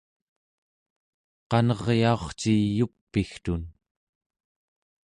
qaneryaurci yup'igtun